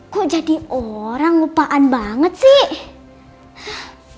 kok jadi orang lupaan banget sih